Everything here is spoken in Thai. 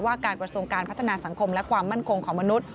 การกระทรวงการพัฒนาสังคมและความมั่นคงของมนุษย